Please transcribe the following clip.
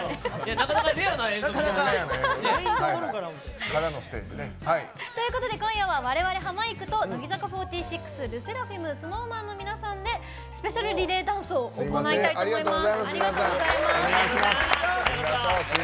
なかなかレアな映像。ということで今夜は我々、ハマいくと乃木坂４６の皆さんＬＥＳＳＥＲＡＦＩＭＳｎｏｗＭａｎの皆さんでスペシャルリレーダンスを行いたいと思います。